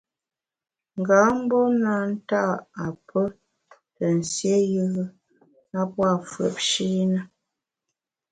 Nga mgbom na nta’ a pe te nsié yùe a pua’ fùepshi na.